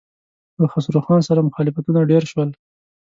له خسرو خان سره مخالفتونه ډېر شول.